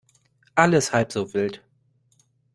Alles halb so wild.